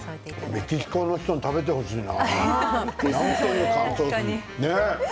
メキシコの人に食べてほしいな。